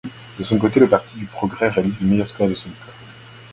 De son côté, le Parti du progrès réalise le meilleur score de son histoire.